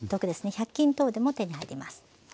１００均等でも手に入ります。